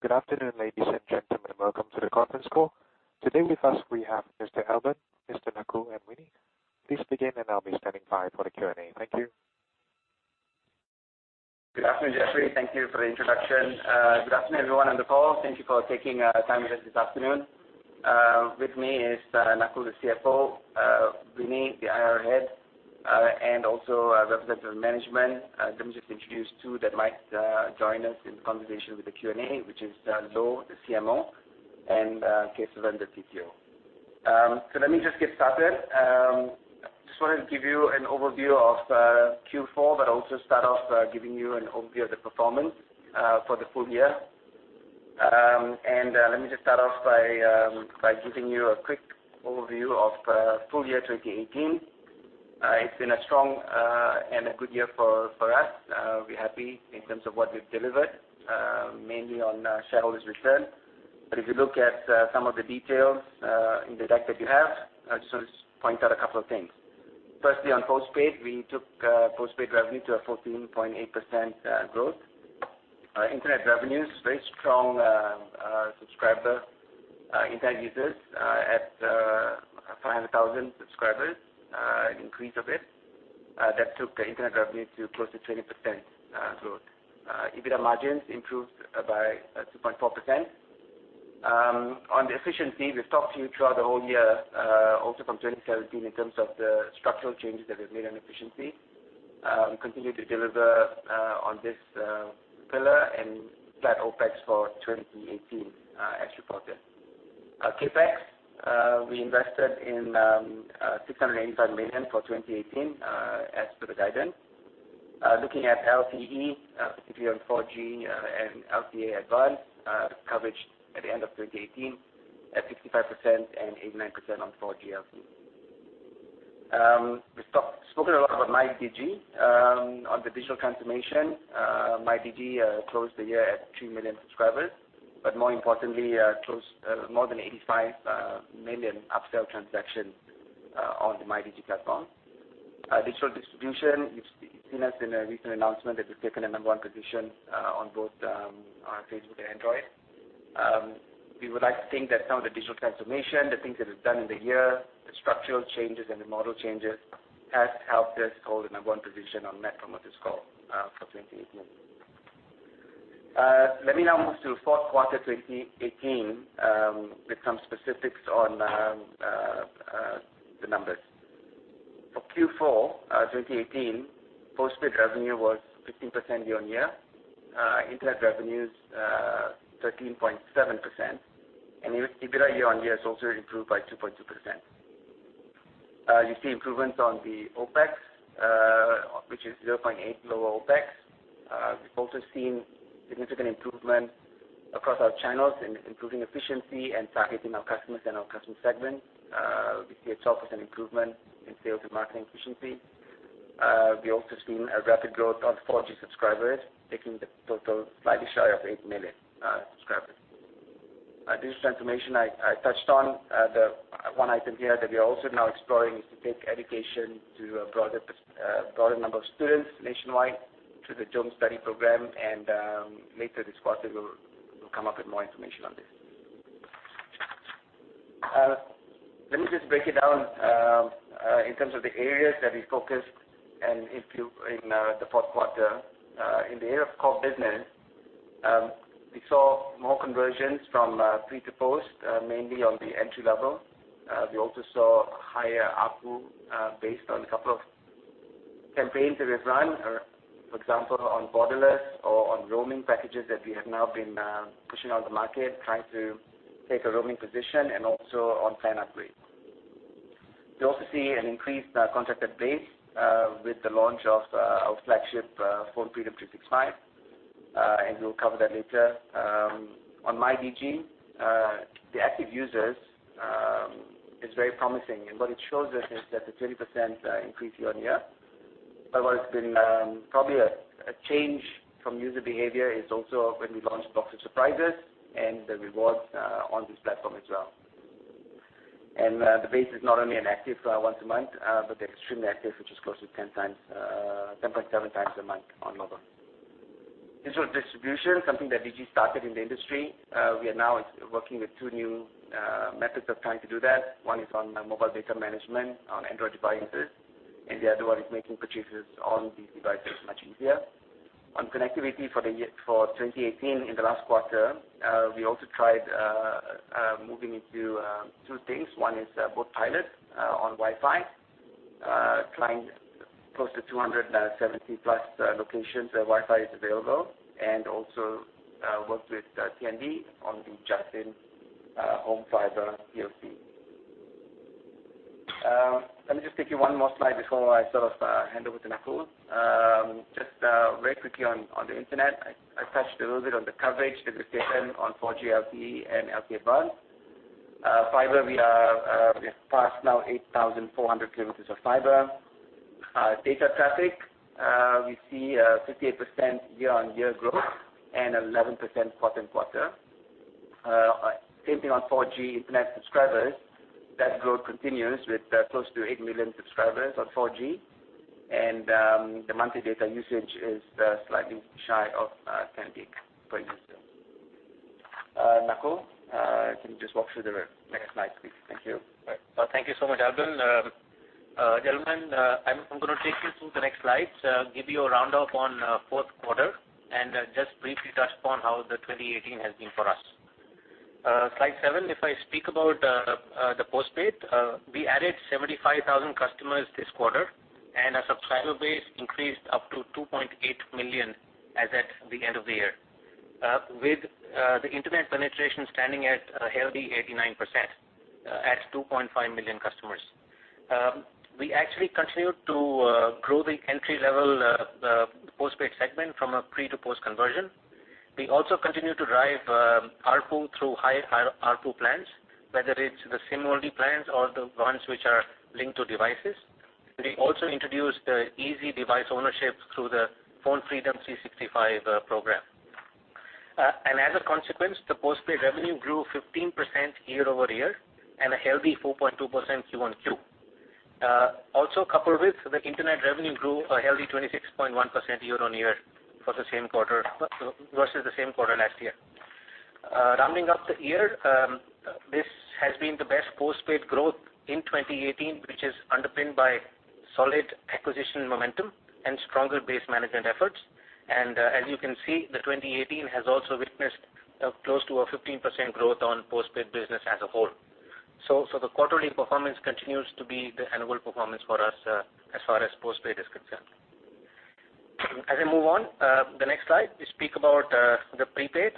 Good afternoon, ladies and gentlemen, welcome to the conference call. Today with us, we have Mr. Albern, Mr. Nakul, and Winnie. Please begin, I'll be standing by for the Q&A. Thank you. Good afternoon, Jeffrey. Thank you for the introduction. Good afternoon, everyone on the call. Thank you for taking time with us this afternoon. With me is Nakul, the CFO, Winnie, the IR head, and also a representative of management. Let me just introduce two that might join us in the conversation with the Q&A, which is Loh, the CMO, and K. Sri, the CCO. Let me just get started. Just wanted to give you an overview of Q4, also start off by giving you an overview of the performance for the full year. Let me just start off by giving you a quick overview of full year 2018. It's been a strong and a good year for us. We're happy in terms of what we've delivered, mainly on shareholder's return. If you look at some of the details in the deck that you have, I just want to point out a couple of things. Firstly, on postpaid, we took postpaid revenue to a 14.8% growth. Internet revenues, very strong subscriber internet users at 500,000 subscribers, an increase of it. That took internet revenue to close to 20% growth. EBITDA margins improved by 2.4%. On the efficiency, we've talked to you throughout the whole year, also from 2017 in terms of the structural changes that we've made on efficiency. We continue to deliver on this pillar and flat OpEx for 2018 as reported. CapEx, we invested in 685 million for 2018 as to the guidance. Looking at LTE, specifically on 4G and LTE-Advanced, coverage at the end of 2018 at 65% and 89% on 4G LTE. We've spoken a lot about MyDigi on the digital transformation. MyDigi closed the year at 3 million subscribers, more importantly, closed more than 85 million upsell transactions on the MyDigi platform. Digital distribution, you've seen us in a recent announcement that we've taken a number one position on both on Facebook and Android. We would like to think that some of the digital transformation, the things that we've done in the year, the structural changes and the model changes, has helped us hold the number one position on Net Promoter Score for 2018. Let me now move to fourth quarter 2018, with some specifics on the numbers. For Q4 2018, postpaid revenue was 15% year-on-year. Internet revenues 13.7%, EBITDA year-on-year has also improved by 2.2%. You see improvements on the OpEx, which is 0.8 lower OpEx. We've also seen significant improvement across our channels in improving efficiency and targeting our customers and our customer segment. We see a 12% improvement in sales and marketing efficiency. We also have seen a rapid growth on 4G subscribers, taking the total slightly shy of 8 million subscribers. Digital transformation, I touched on the one item here that we are also now exploring is to take education to a broader number of students nationwide through the JomStudy program, and later this quarter, we'll come up with more information on this. Let me just break it down in terms of the areas that we focused in the fourth quarter. In the area of core business, we saw more conversions from pre to post, mainly on the entry level. We also saw higher ARPU based on a couple of campaigns that we've run. For example, on borderless or on roaming packages that we have now been pushing on the market, trying to take a roaming position and also on plan upgrade. We also see an increased contracted base with the launch of our flagship PhoneFreedom 365, and we'll cover that later. On MyDigi, the active users is very promising, and what it shows us is that the 20% increase year-on-year, but what it's been probably a change from user behavior is also when we launched Box of Surprise and the rewards on this platform as well. The base is not only an active once a month, but they're extremely active, which is close to 10.7 times a month on mobile. Digital distribution, something that Digi started in the industry. We are now working with two new methods of trying to do that. One is on mobile data management on Android devices, and the other one is making purchases on these devices much easier. On connectivity for 2018 in the last quarter, we also tried moving into two things. One is both pilot on Wi-Fi, trying close to 270 plus locations where Wi-Fi is available and also worked with TNB on the Jasin home fiber PoC. Let me just take you one more slide before I hand over to Nakul. Just very quickly on the internet. I touched a little bit on the coverage that we've taken on 4G LTE and LTE-Advanced. Fiber, we have passed now 8,400 kilometers of fiber. Data traffic, we see a 58% year-on-year growth and 11% quarter-on-quarter. Same thing on 4G Internet subscribers. That growth continues with close to 8 million subscribers on 4G, and the monthly data usage is slightly shy of 10 GB per user. Nakul, can you just walk through the next slide, please? Thank you. Right. Thank you so much, Albern. Gentlemen, I'm going to take you through the next slides, give you a roundup on fourth quarter, and just briefly touch upon how the 2018 has been for us. Slide seven. If I speak about the postpaid, we added 75,000 customers this quarter, and our subscriber base increased up to 2.8 million as at the end of the year. With the internet penetration standing at a healthy 89% at 2.5 million customers. We actually continued to grow the entry-level postpaid segment from a pre to post conversion. We also continued to drive ARPU through higher ARPU plans, whether it's the SIM-only plans or the ones which are linked to devices. We also introduced the easy device ownership through the PhoneFreedom 365 program. As a consequence, the postpaid revenue grew 15% year-over-year, and a healthy 4.2% QoQ. Coupled with the internet revenue grew a healthy 26.1% year-on-year versus the same quarter last year. Rounding up the year, this has been the best postpaid growth in 2018, which is underpinned by solid acquisition momentum and stronger base management efforts. As you can see, the 2018 has also witnessed close to a 15% growth on postpaid business as a whole. The quarterly performance continues to be the annual performance for us, as far as postpaid is concerned. As I move on, the next slide, we speak about the prepaid.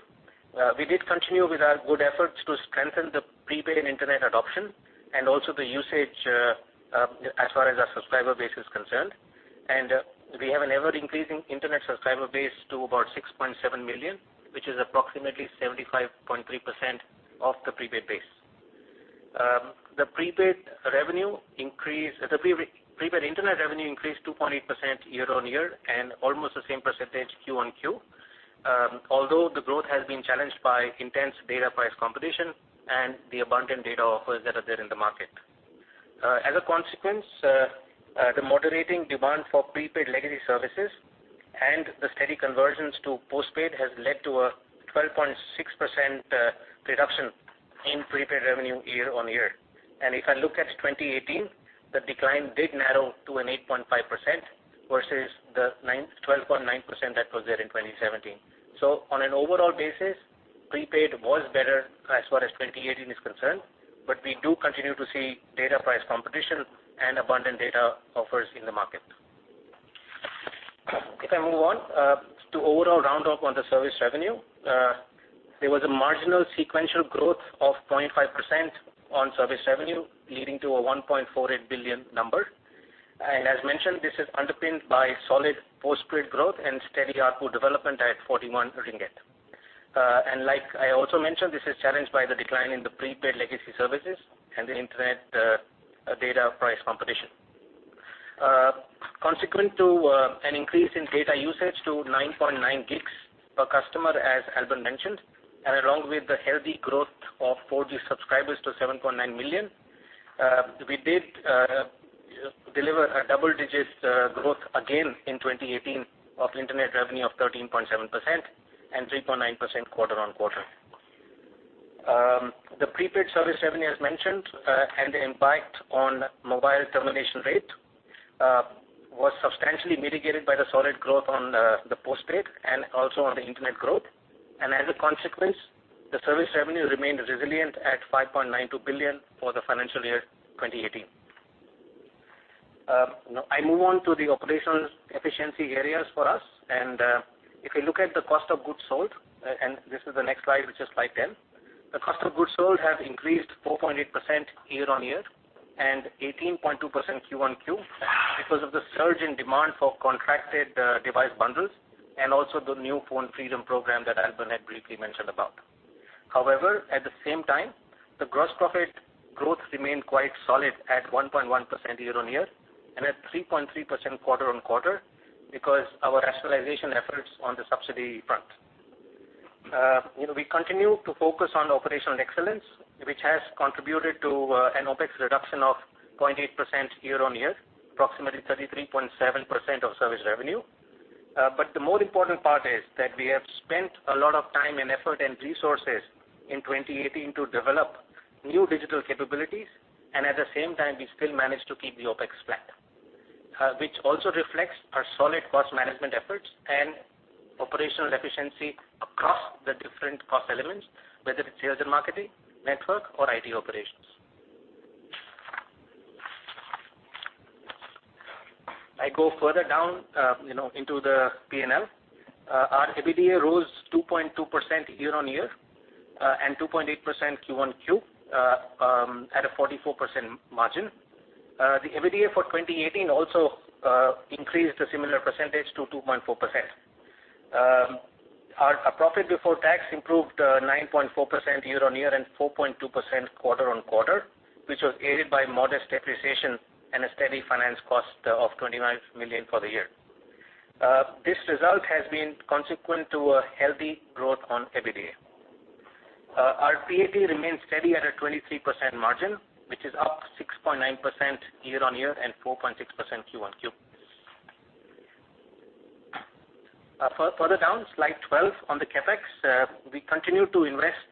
We did continue with our good efforts to strengthen the prepaid and internet adoption, and also the usage, as far as our subscriber base is concerned. We have an ever-increasing internet subscriber base to about 6.7 million, which is approximately 75.3% of the prepaid base. The prepaid internet revenue increased 2.8% year-on-year and almost the same percentage QoQ. Although the growth has been challenged by intense data price competition and the abundant data offers that are there in the market. As a consequence, the moderating demand for prepaid legacy services and the steady conversions to postpaid has led to a 12.6% reduction in prepaid revenue year-on-year. If I look at 2018, the decline did narrow to an 8.5% versus the 12.9% that was there in 2017. On an overall basis, prepaid was better as far as 2018 is concerned, but we do continue to see data price competition and abundant data offers in the market. If I move on to overall roundup on the service revenue. There was a marginal sequential growth of 0.5% on service revenue, leading to a 1.48 billion number. As mentioned, this is underpinned by solid postpaid growth and steady ARPU development at 41 ringgit. Like I also mentioned, this is challenged by the decline in the prepaid legacy services and the internet data price competition. Consequent to an increase in data usage to 9.9 gigs per customer, as Albern mentioned. Along with the healthy growth of 4G subscribers to 7.9 million, we did deliver a double-digit growth again in 2018 of internet revenue of 13.7% and 3.9% quarter-on-quarter. The prepaid service revenue, as mentioned, and the impact on mobile termination rate, was substantially mitigated by the solid growth on the postpaid and also on the internet growth. As a consequence, the service revenue remained resilient at 5.92 billion for the financial year 2018. I move on to the operational efficiency areas for us. If you look at the cost of goods sold, this is the next slide, which is slide 10. The cost of goods sold have increased 4.8% year-on-year and 18.2% QoQ because of the surge in demand for contracted device bundles and also the new PhoneFreedom program that Albern had briefly mentioned about. At the same time, the gross profit growth remained quite solid at 1.1% year-on-year and at 3.3% quarter-on-quarter because our rationalization efforts on the subsidy front. We continue to focus on operational excellence, which has contributed to an OpEx reduction of 28% year-on-year, approximately 33.7% of service revenue. The more important part is that we have spent a lot of time and effort and resources in 2018 to develop new digital capabilities, and at the same time, we still manage to keep the OpEx flat. Which also reflects our solid cost management efforts and operational efficiency across the different cost elements, whether it's sales and marketing, network, or IT operations. I go further down into the P&L. Our EBITDA rose 2.2% year-on-year and 2.8% QoQ at a 44% margin. The EBITDA for 2018 also increased a similar percentage to 2.4%. Our profit before tax improved 9.4% year-on-year and 4.2% quarter-on-quarter, which was aided by modest depreciation and a steady finance cost of 29 million for the year. This result has been consequent to a healthy growth on EBITDA. Our PAT remains steady at a 23% margin, which is up 6.9% year-on-year and 4.6% QoQ. Further down, slide 12, on the CapEx, we continue to invest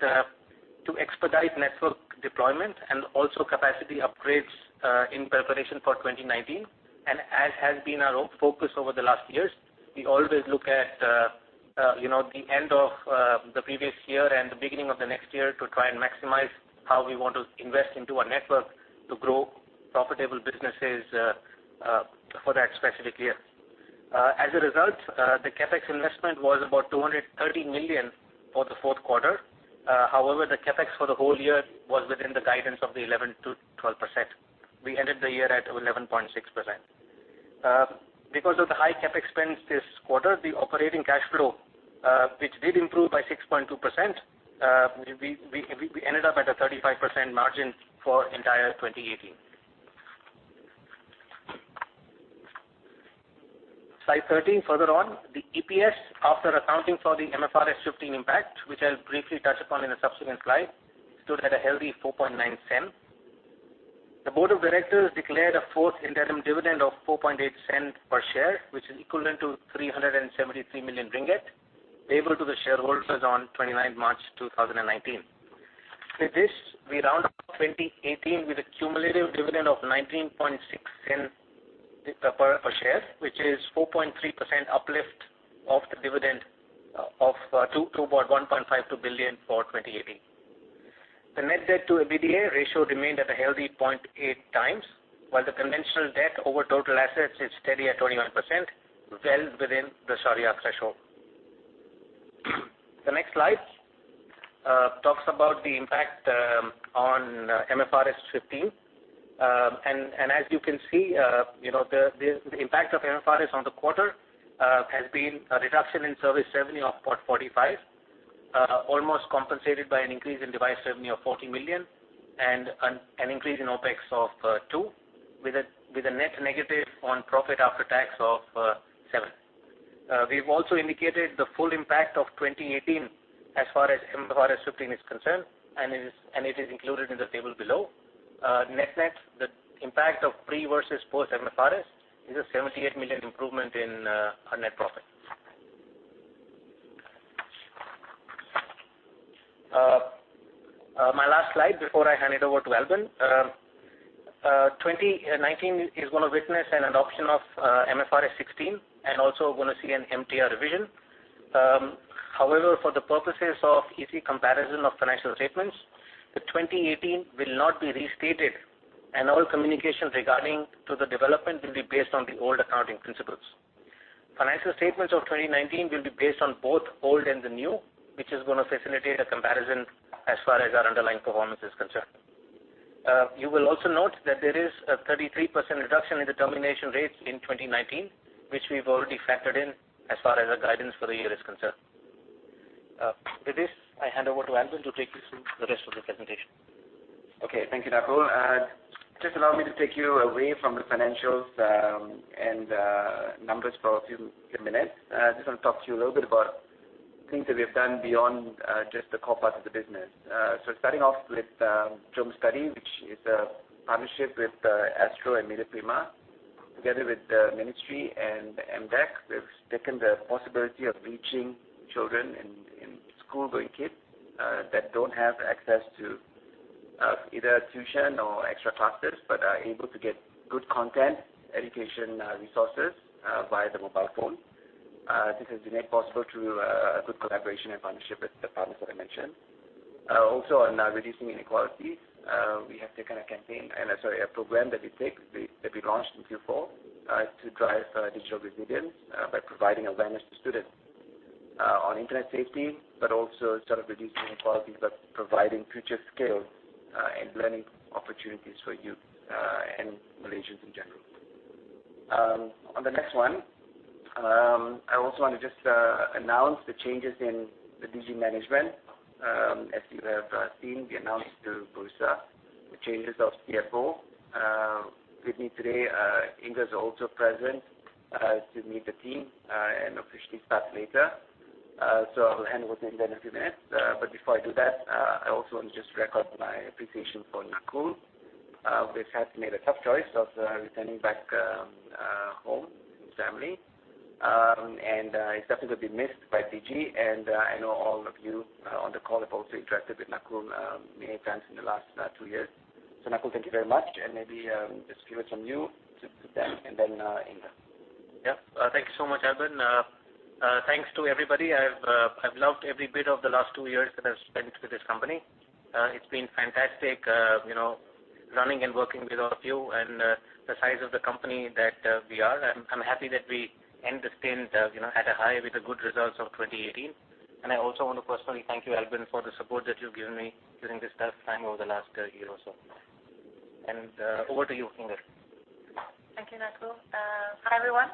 to expedite network deployment and also capacity upgrades in preparation for 2019. As has been our focus over the last years, we always look at the end of the previous year and the beginning of the next year to try and maximize how we want to invest into our network to grow profitable businesses for that specific year. As a result, the CapEx investment was about 230 million for the fourth quarter. The CapEx for the whole year was within the guidance of the 11%-12%. We ended the year at 11.6%. Because of the high CapEx spends this quarter, the operating cash flow, which did improve by 6.2%, we ended up at a 35% margin for entire 2018. Slide 13, further on, the EPS after accounting for the MFRS 15 impact, which I'll briefly touch upon in a subsequent slide, stood at a healthy 0.049. The board of directors declared a fourth interim dividend of 0.048 per share, which is equivalent to 373 million ringgit, payable to the shareholders on 29th March 2019. With this, we round up 2018 with a cumulative dividend of 0.196 per share, which is 4.3% uplift of the dividend of 1.52 billion for 2018. The net debt to EBITDA ratio remained at a healthy 0.8 times, while the conventional debt over total assets is steady at 21%, well within the Shariah threshold. The next slide talks about the impact on MFRS 15. As you can see, the impact of MFRS on the quarter has been a reduction in service revenue of 45 million, almost compensated by an increase in device revenue of 40 million, and an increase in OpEx of 2 million, with a net negative on profit after tax of 7 million. We've also indicated the full impact of 2018 as far as MFRS 15 is concerned, it is included in the table below. Net, the impact of pre versus post MFRS is a 78 million improvement in our net profit. My last slide before I hand it over to Albern. 2019 is going to witness an adoption of MFRS 16 and also we're going to see an MTR revision. However, for the purposes of easy comparison of financial statements, the 2018 will not be restated and all communications regarding to the development will be based on the old accounting principles. Financial statements of 2019 will be based on both old and the new, which is going to facilitate a comparison as far as our underlying performance is concerned. You will also note that there is a 33% reduction in the termination rates in 2019, which we've already factored in as far as our guidance for the year is concerned. With this, I hand over to Albern to take you through the rest of the presentation. Okay. Thank you, Nakul. Just allow me to take you away from the financials and numbers for a few minutes. I just want to talk to you a little bit about things that we have done beyond just the core part of the business. Starting off with JomStudy, which is a partnership with Astro and Media Prima. Together with the Ministry and MDEC, we've taken the possibility of reaching children and school-going kids that don't have access to either tuition or extra classes, but are able to get good content, education resources via the mobile phone. This has been made possible through a good collaboration and partnership with the partners that I mentioned. Also on reducing inequalities, we have taken a program that we launched in Q4, to drive digital resilience by providing awareness to students on internet safety, but also reducing inequalities by providing future skills and learning opportunities for youth and Malaysians in general. On the next one, I also want to just announce the changes in the Digi management. As you have seen, we announced to Bursa the changes of CFO. With me today, Inger is also present to meet the team and officially start later. I will hand over to Inger in a few minutes. Before I do that, I also want to just recognize my appreciation for Nakul, who has had to make a tough choice of returning back home and family. He's definitely going to be missed by Digi, and I know all of you on the call have also interacted with Nakul many times in the last two years. Nakul, thank you very much, and maybe just a few words from you to them, and then Inger. Thank you so much, Albern. Thanks to everybody. I've loved every bit of the last two years that I've spent with this company. It's been fantastic running and working with all of you, and the size of the company that we are. I'm happy that we end the stint at a high with the good results of 2018. I also want to personally thank you, Albern, for the support that you've given me during this tough time over the last year or so. Over to you, Inger. Thank you, Nakul. Hi, everyone.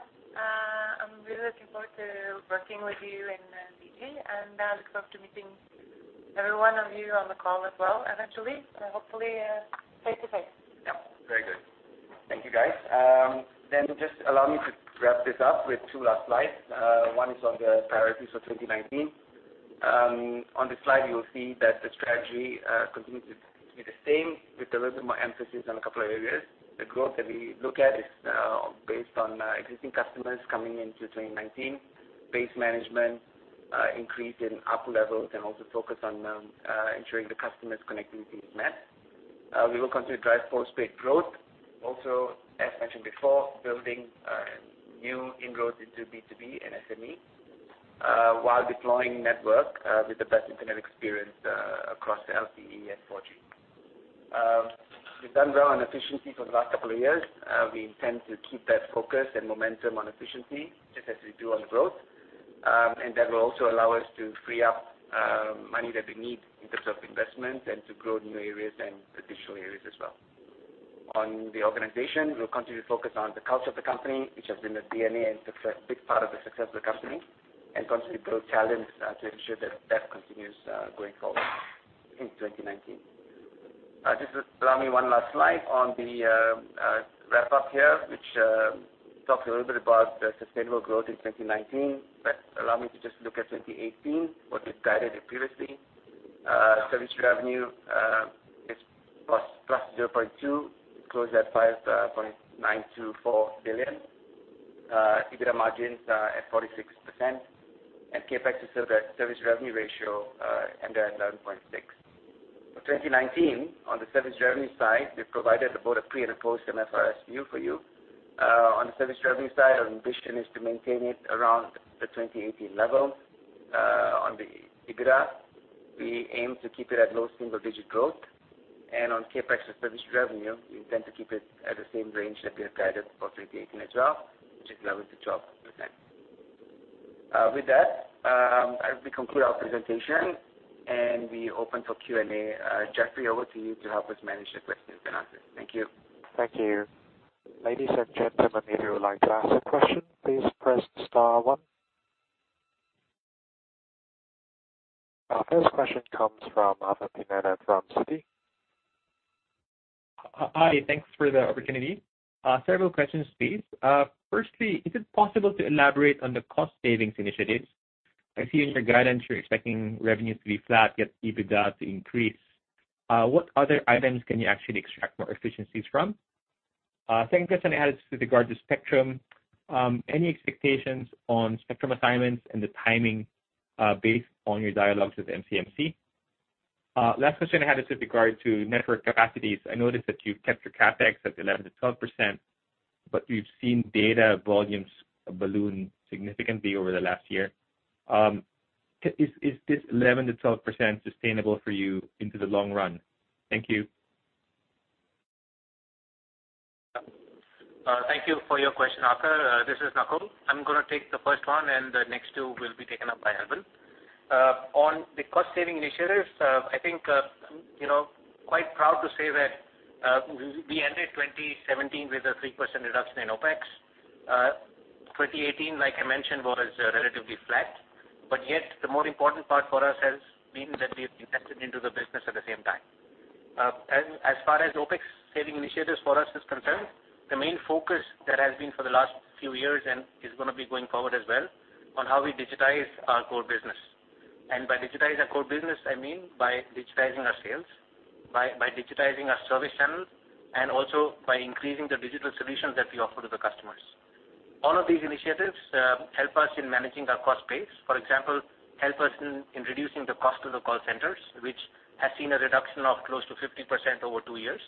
I'm really looking forward to working with you in Digi and look forward to meeting every one of you on the call as well eventually, hopefully face to face. Good. Thank you, guys. Just allow me to wrap this up with two last slides. One is on the priorities for 2019. On the slide, you will see that the strategy continues to be the same with a little bit more emphasis on a couple of areas. The growth that we look at is based on existing customers coming into 2019. Base management increase in ARPU levels and also focus on ensuring the customer's connectivity is met. We will continue to drive postpaid growth. Also, as mentioned before, building new inroads into B2B and SME, while deploying network with the best internet experience across LTE and 4G. We've done well on efficiency for the last couple of years. We intend to keep that focus and momentum on efficiency just as we do on growth. That will also allow us to free up money that we need in terms of investment and to grow new areas and additional areas as well. On the organization, we will continue to focus on the culture of the company, which has been the DNA and a big part of the success of the company, and continue to build talents to ensure that continues going forward in 2019. Just allow me one last slide on the wrap-up here, which talks a little bit about the sustainable growth in 2019. But allow me to just look at 2018, what we have guided you previously. Service revenue is +0.2%. It closed at 5.924 billion. EBITDA margins are at 46%, and CapEx to service revenue ratio ended at 11.6%. For 2019, on the service revenue side, we have provided the board a pre and a post MFRS for you. On the service revenue side, our ambition is to maintain it around the 2018 level. On the EBITDA, we aim to keep it at low single-digit growth. On CapEx to service revenue, we intend to keep it at the same range that we have guided for 2018 as well, which is 11%-12%. With that, we conclude our presentation, and we open for Q&A. Jeffrey, over to you to help us manage the questions and answers. Thank you. Thank you. Ladies and gentlemen, if you would like to ask a question, please press star one. Our first question comes from Arthur Pineda from Citi. Hi. Thanks for the opportunity. Several questions, please. Firstly, is it possible to elaborate on the cost savings initiatives? I see in your guidance, you are expecting revenues to be flat, yet EBITDA to increase. What other items can you actually extract more efficiencies from? Second question I had is with regard to spectrum. Any expectations on spectrum assignments and the timing, based on your dialogues with MCMC? Last question I had is with regard to network capacities. I noticed that you have kept your CapEx at 11%-12%, but we have seen data volumes balloon significantly over the last year. Is this 11%-12% sustainable for you into the long run? Thank you. Thank you for your question, Arthur. This is Nakul. I am going to take the first one, and the next two will be taken up by Albern. On the cost-saving initiatives, I think, quite proud to say that we ended 2017 with a 3% reduction in OpEx. 2018, like I mentioned, was relatively flat. Yet, the more important part for us has been that we have invested into the business at the same time. As far as OpEx saving initiatives for us is concerned, the main focus that has been for the last few years and is going to be going forward as well, on how we digitize our core business. By digitize our core business, I mean by digitizing our sales, by digitizing our service channels, and also by increasing the digital solutions that we offer to the customers. All of these initiatives help us in managing our cost base. For example, help us in reducing the cost of the call centers, which has seen a reduction of close to 50% over two years.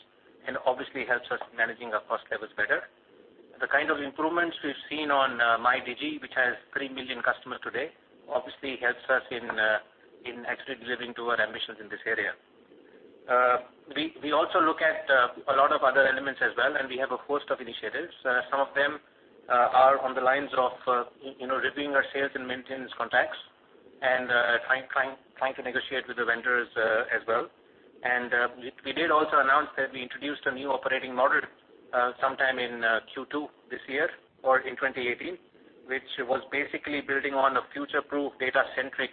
Obviously helps us managing our cost levels better. The kind of improvements we've seen on MyDigi, which has three million customers today, obviously helps us in actually delivering to our ambitions in this area. We also look at a lot of other elements as well. We have a host of initiatives. Some of them are on the lines of reviewing our sales and maintenance contracts and trying to negotiate with the vendors as well. We did also announce that we introduced a new operating model sometime in Q2 this year or in 2018, which was basically building on a future-proof, data-centric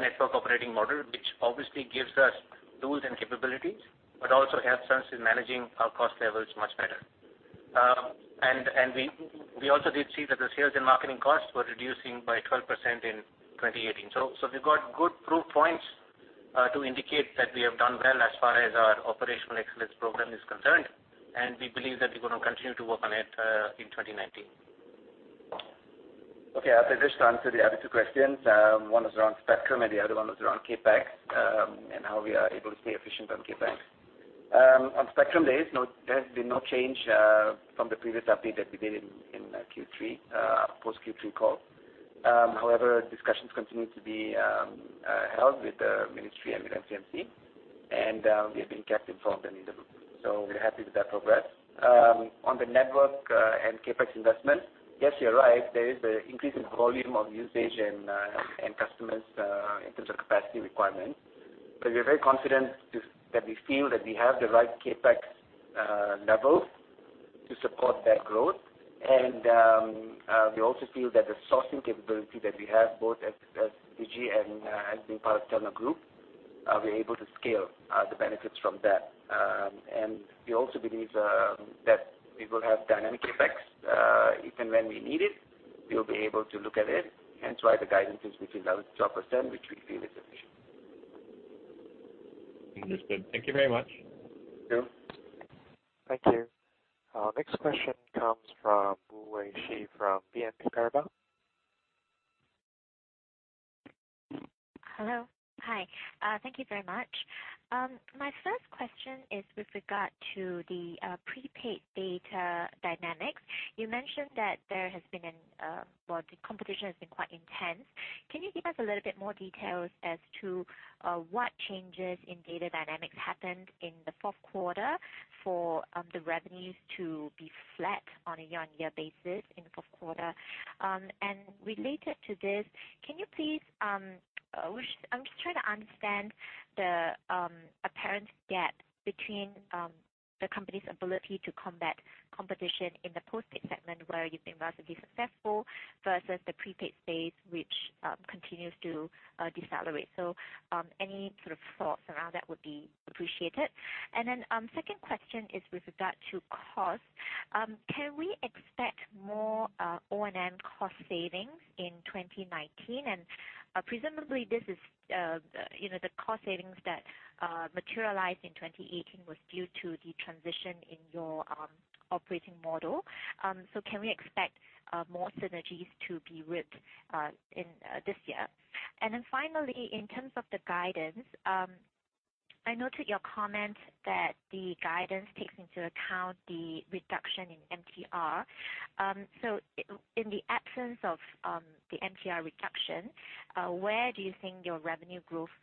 network operating model, which obviously gives us tools and capabilities, but also helps us in managing our cost levels much better. We also did see that the sales and marketing costs were reducing by 12% in 2018. We've got good proof points to indicate that we have done well as far as our operational excellence program is concerned, and we believe that we're going to continue to work on it in 2019. Okay, I'll just answer the other two questions. One was around spectrum, and the other one was around CapEx, and how we are able to stay efficient on CapEx. On spectrum, there has been no change from the previous update that we did in post Q3 call. However, discussions continue to be held with the ministry and with MCMC. We have been kept informed and in the loop. We're happy with that progress. On the network and CapEx investment, yes, you're right. There is the increase in volume of usage and customers in terms of capacity requirements. We are very confident that we feel that we have the right CapEx levels to support that growth, and we also feel that the sourcing capability that we have, both as Digi and being part of Telenor group Are we able to scale the benefits from that. We also believe that we will have dynamic effects. Even when we need it, we'll be able to look at it. Hence why the guidance is between 12%, which we feel is efficient. Understood. Thank you very much. Thank you. Thank you. Next question comes from Wei Shi Wu from BNP Paribas. Hello. Hi. Thank you very much. My first question is with regard to the prepaid data dynamics. You mentioned that the competition has been quite intense. Can you give us a little bit more details as to what changes in data dynamics happened in the fourth quarter for the revenues to be flat on a year-on-year basis in the fourth quarter? Related to this, I'm just trying to understand the apparent gap between the company's ability to combat competition in the postpaid segment where you've been relatively successful versus the prepaid space, which continues to decelerate. Any sort of thoughts around that would be appreciated. Then, second question is with regard to cost. Can we expect more O&M cost savings in 2019? Presumably, the cost savings that materialized in 2018 was due to the transition in your operating model. Can we expect more synergies to be reaped this year? Finally, in terms of the guidance, I noted your comment that the guidance takes into account the reduction in MTR. In the absence of the MTR reduction, where do you think your revenue growth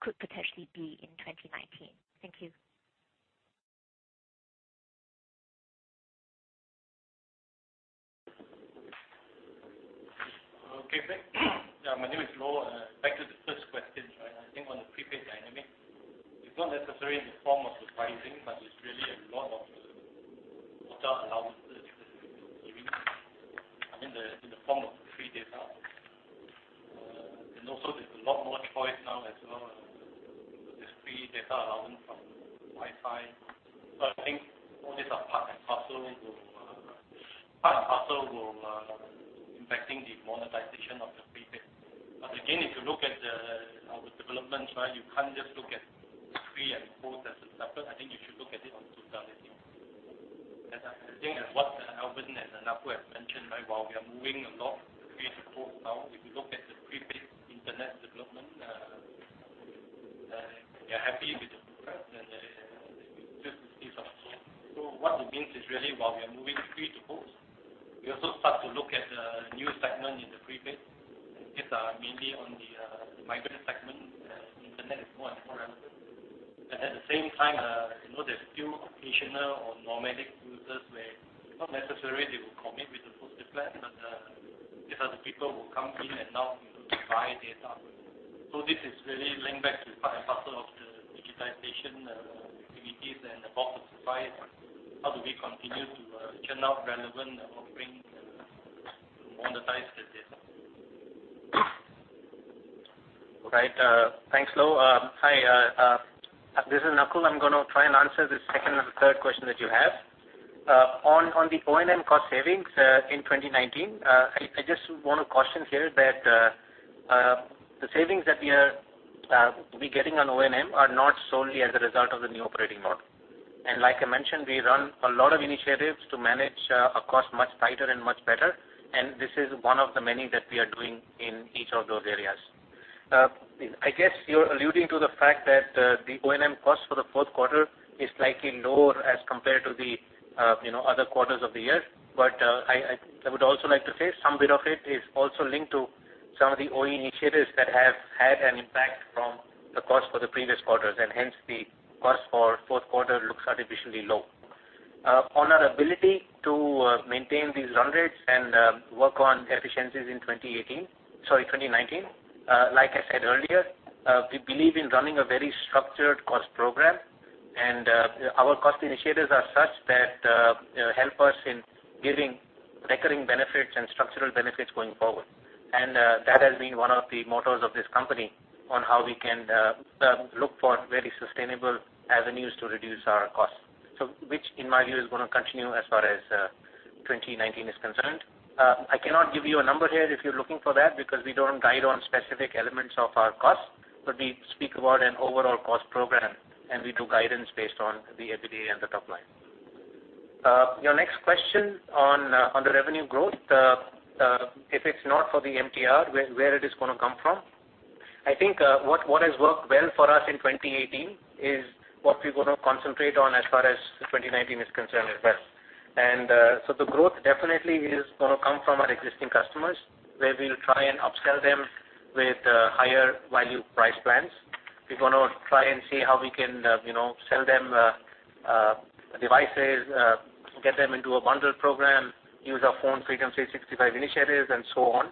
could potentially be in 2019? Thank you. Okay, thanks. My name is Lo. Back to the first question. I think on the prepaid dynamic, it's not necessarily in the form of the pricing, but it's really a lot of the data allowances that we've been giving in the form of free data. Also, there's a lot more choice now as well, with this free data allowance from Wi-Fi. I think all these are part and parcel impacting the monetization of the prepaid. Again, if you look at our developments, you can't just look at free and post as a separate. I think you should look at it on totality. As what Albern and Nakul have mentioned, while we are moving a lot free to post now, if you look at the prepaid internet development, we are happy with the progress and just to see some signs. What it means is really while we are moving free to post, we also start to look at the new segment in the prepaid. These are mainly on the migrant segment, internet is more and more relevant. At the same time, there's still occasional or nomadic users where not necessary they will commit with the post-paid plan, but these are the people who come in and now buy data. This is really linked back to part and parcel of the digitization activities and the Box of Surprise. How do we continue to churn out relevant offerings to monetize the data? All right. Thanks, Lo. Hi, this is Nakul. I'm going to try and answer the second and the third question that you have. On the O&M cost savings in 2019, I just want to caution here that the savings that we are getting on O&M are not solely as a result of the new operating model. Like I mentioned, we run a lot of initiatives to manage our cost much tighter and much better, and this is one of the many that we are doing in each of those areas. I guess you're alluding to the fact that the O&M cost for the fourth quarter is slightly lower as compared to the other quarters of the year. I would also like to say, some bit of it is also linked to some of the OE initiatives that have had an impact from the cost for the previous quarters, and hence the cost for fourth quarter looks artificially low. On our ability to maintain these run rates and work on efficiencies in 2019, like I said earlier, we believe in running a very structured cost program. Our cost initiatives are such that help us in giving recurring benefits and structural benefits going forward. That has been one of the mottos of this company on how we can look for very sustainable avenues to reduce our costs. Which in my view, is going to continue as far as 2019 is concerned. I cannot give you a number here if you're looking for that, because we don't guide on specific elements of our costs, but we speak about an overall cost program, and we do guidance based on the EBITDA and the top line. Your next question on the revenue growth, if it's not for the MTR, where it is going to come from? I think what has worked well for us in 2018 is what we're going to concentrate on as far as 2019 is concerned as well. The growth definitely is going to come from our existing customers, where we'll try and upsell them with higher value price plans. We're going to try and see how we can sell them devices, get them into a bundled program, use our PhoneFreedom 365 initiatives and so on.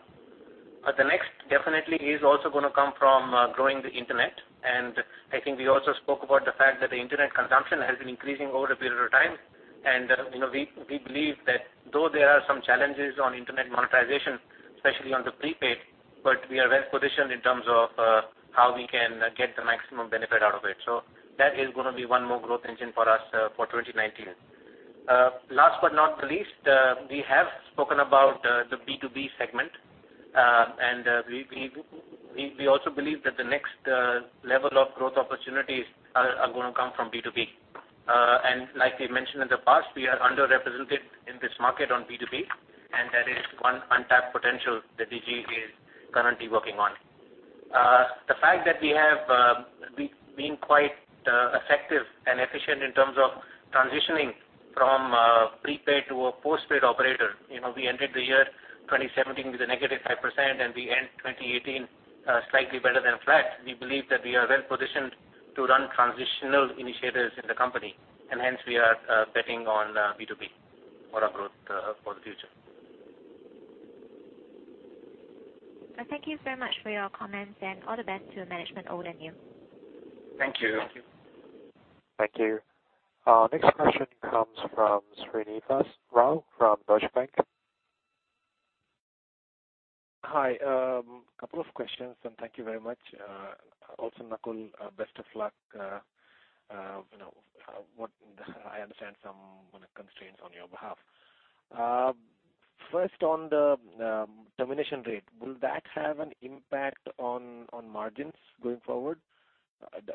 The next definitely is also going to come from growing the internet. I think we also spoke about the fact that the internet consumption has been increasing over a period of time. We believe that though there are some challenges on internet monetization, especially on the prepaid, but we are well positioned in terms of how we can get the maximum benefit out of it. That is going to be one more growth engine for us for 2019. Last but not least, we have spoken about the B2B segment. We also believe that the next level of growth opportunities are going to come from B2B. Like we mentioned in the past, we are underrepresented in this market on B2B, and that is one untapped potential that Digi is currently working on. The fact that we have been quite effective and efficient in terms of transitioning from a prepaid to a postpaid operator. We entered the year 2017 with a negative 5%, and we end 2018 slightly better than flat. We believe that we are well positioned to run transitional initiatives in the company, and hence we are betting on B2B for our growth for the future. Thank you very much for your comments, all the best to management, old and new. Thank you. Thank you. Next question comes from Srinivas Rao from Deutsche Bank. Hi, a couple of questions, thank you very much. Nakul, best of luck. I understand some constraints on your behalf. First, on the termination rate, will that have an impact on margins going forward?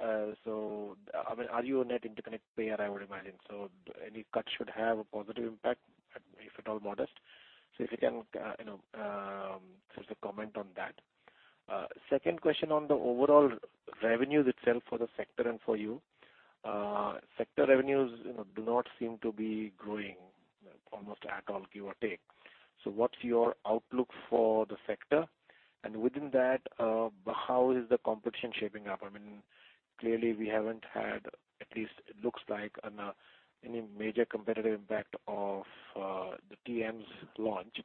Are you a net interconnect payer, I would imagine? Any cuts should have a positive impact, if at all modest. If you can just a comment on that. Second question on the overall revenues itself for the sector and for you. Sector revenues do not seem to be growing almost at all, give or take. What's your outlook for the sector? Within that, how is the competition shaping up? Clearly we haven't had, at least it looks like, any major competitive impact of the TM's launch.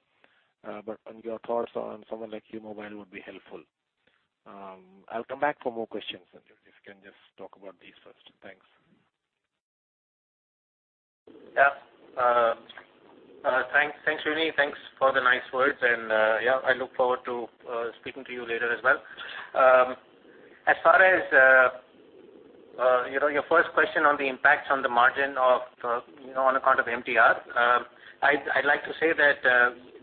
On your thoughts on someone like U Mobile would be helpful. I'll come back for more questions. If you can just talk about these first. Thanks. Thanks, Srinivas. Thanks for the nice words. I look forward to speaking to you later as well. As far as your first question on the impacts on the margin on account of MTR, I'd like to say that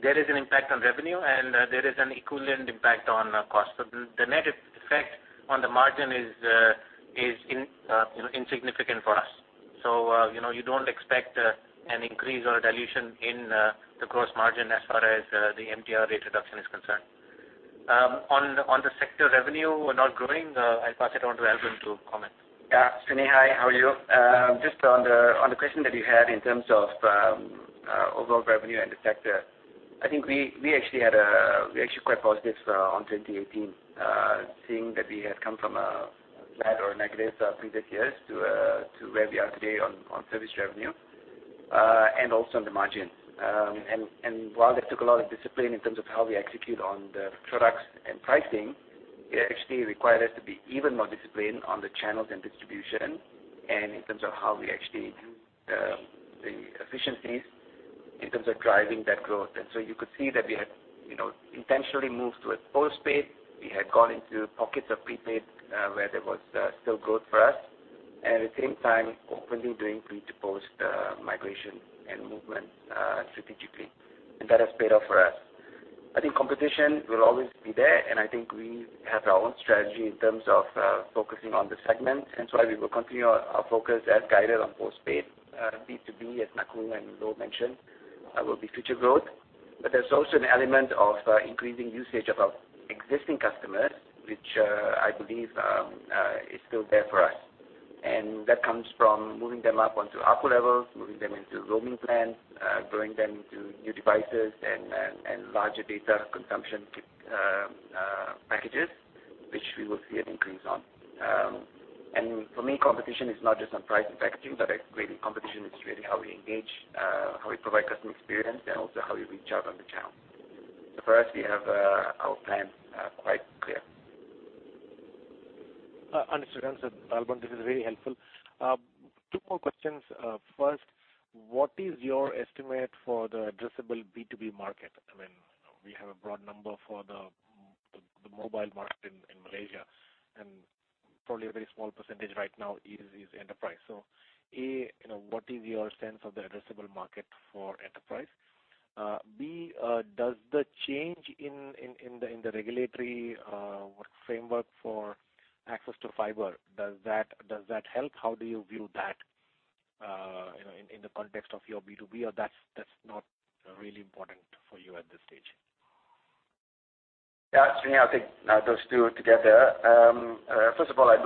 there is an impact on revenue and there is an equivalent impact on cost. The net effect on the margin is insignificant for us. You don't expect an increase or a dilution in the gross margin as far as the MTR rate reduction is concerned. On the sector revenue not growing, I'll pass it on to Albern to comment. Srinivas, hi, how are you? Just on the question that you had in terms of overall revenue and the sector, I think we're actually quite positive on 2018, seeing that we had come from a bad or negative previous years to where we are today on service revenue, and also on the margins. While that took a lot of discipline in terms of how we execute on the products and pricing, it actually required us to be even more disciplined on the channels and distribution, and in terms of how we actually do the efficiencies in terms of driving that growth. You could see that we had intentionally moved to a postpaid. We had gone into pockets of prepaid where there was still growth for us. At the same time, openly doing pre to post migration and movement strategically. That has paid off for us. I think competition will always be there, and I think we have our own strategy in terms of focusing on the segment. Hence why we will continue our focus as guided on postpaid. B2B, as Nakul and Loh mentioned, will be future growth. But there's also an element of increasing usage of our existing customers, which I believe is still there for us. That comes from moving them up onto upper levels, moving them into roaming plans, growing them into new devices and larger data consumption packages, which we will see an increase on. For me, competition is not just on price and packaging, but really competition is really how we engage, how we provide customer experience, and also how we reach out on the channels. For us, we have our plans quite clear. Understood. Albern, this is very helpful. Two more questions. First, what is your estimate for the addressable B2B market? We have a broad number for the mobile market in Malaysia, and probably a very small percentage right now is enterprise. A, what is your sense of the addressable market for enterprise? B, does the change in the regulatory framework for access to fiber, does that help? How do you view that in the context of your B2B, or that's not really important for you at this stage? Srinivas, I'll take those two together. First of all, I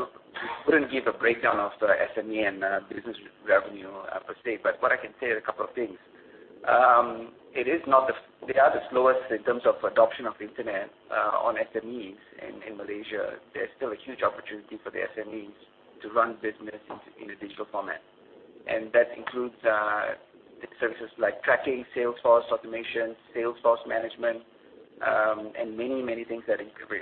wouldn't give a breakdown of the SME and business revenue per se, what I can say are a couple of things. They are the slowest in terms of adoption of internet on SMEs in Malaysia. There's still a huge opportunity for the SMEs to run business in a digital format. That includes services like tracking, sales force automation, sales force management. Many things that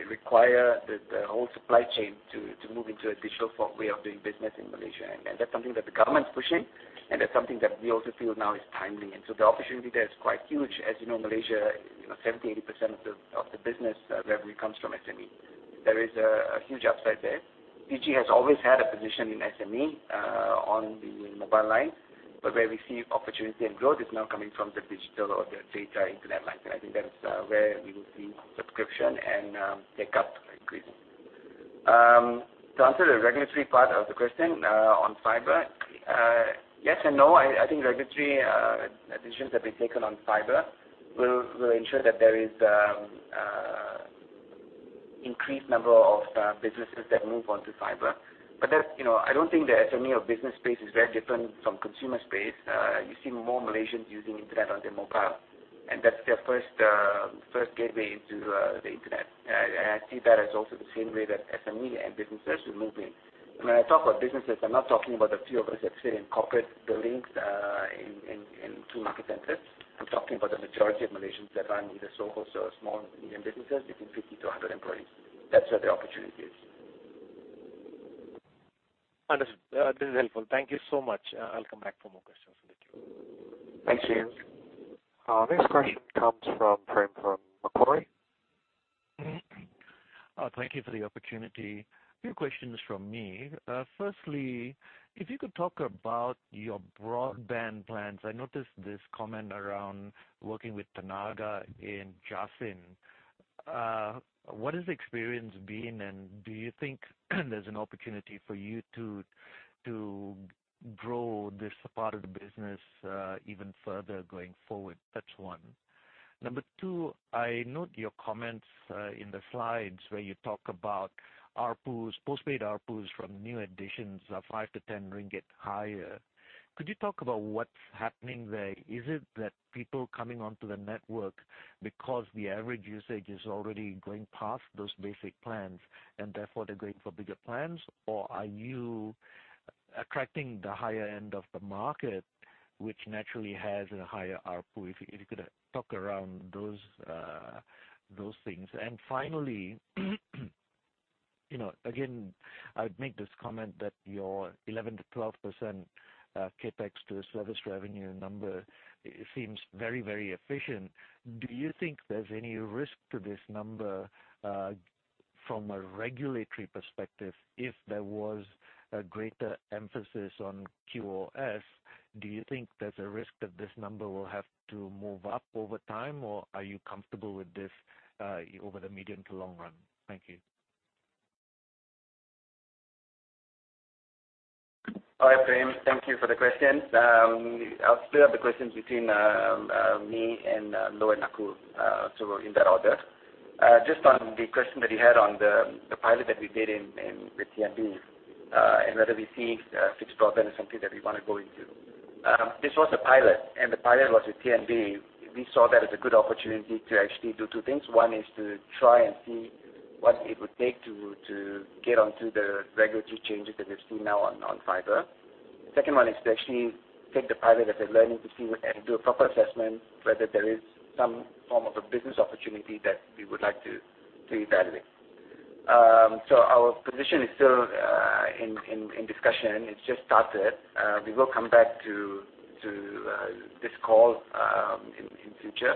require the whole supply chain to move into a digital way of doing business in Malaysia. That's something that the government's pushing, and that's something that we also feel now is timely. The opportunity there is quite huge. As you know, Malaysia, 70%, 80% of the business revenue comes from SME. There is a huge upside there. Digi has always had a position in SME on the mobile line, where we see opportunity and growth is now coming from the digital or the data internet line. I think that's where we will see subscription and take up increase. To answer the regulatory part of the question, on fiber. Yes and no. I think regulatory decisions that' be taken on fiber will ensure that there is increased number of businesses that move onto fiber. I don't think the SME or business space is very different from consumer space. You see more Malaysians using internet on their mobile, and that's their first gateway into the internet. I see that as also the same way that SME and businesses will move in. When I talk about businesses, I'm not talking about the few of us that sit in corporate buildings in two market centers. I'm talking about the majority of Malaysians that are neither SOEs or small, medium businesses between 50-100 employees. That's where the opportunity is. Understood. This is helpful. Thank you so much. I'll come back for more questions later. Thank you. Next question comes from Prem from Macquarie. Thank you for the opportunity. Few questions from me. Firstly, if you could talk about your broadband plans. I noticed this comment around working with Tenaga in Jasin. What has the experience been, and do you think there's an opportunity for you to grow this part of the business even further going forward? That's one. Number two, I note your comments in the slides where you talk about postpaid ARPUs from new additions are 5-10 ringgit higher. Could you talk about what's happening there? Is it that people coming onto the network because the average usage is already going past those basic plans, and therefore they're going for bigger plans? Or are you attracting the higher end of the market, which naturally has a higher ARPU? If you could talk around those things. I would make this comment that your 11%-12% CapEx to service revenue number seems very efficient. Do you think there's any risk to this number from a regulatory perspective if there was a greater emphasis on QoS? Do you think there's a risk that this number will have to move up over time, or are you comfortable with this over the medium to long run? Thank you. Hi, Prem. Thank you for the questions. I'll split up the questions between me and Loh and Nakul, so in that order. Just on the question that you had on the pilot that we did with TNB, and whether we see fixed broadband as something that we want to go into. This was a pilot, and the pilot was with TNB. We saw that as a good opportunity to actually do two things. One is to try and see what it would take to get onto the regulatory changes that we've seen now on fiber. The second one is to actually take the pilot as a learning to see and do a proper assessment whether there is some form of a business opportunity that we would like to evaluate. Our position is still in discussion. It's just started. We will come back to this call in future